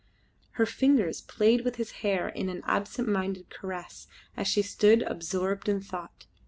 Her fingers played with his hair in an absent minded caress as she stood absorbed in thought.